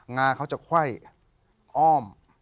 งาเขาจะค่อยอ้อม